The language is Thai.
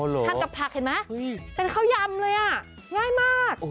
ทานกับผักเห็นไหมเป็นข้าวยำเลยอ่ะง่ายมาก